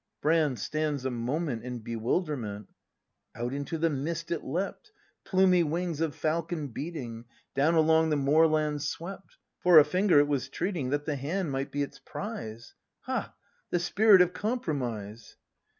Brand. [Stands a moment in bewilderment, 1 Out into the mist it leapt, — Plumy wings of falcon beating, Down along the moorland swept. For a finger it was treating, That the hand might be its prize —! Ha, the Spirit of Compromise!